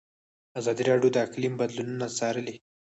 ازادي راډیو د اقلیم بدلونونه څارلي.